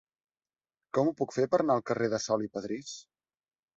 Com ho puc fer per anar al carrer de Sol i Padrís?